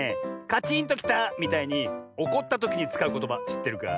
「カチンときた」みたいにおこったときにつかうことばしってるか？